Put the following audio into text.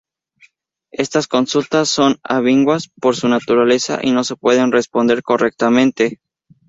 Estas consultas son ambiguas por su naturaleza y no se pueden responder correctamente.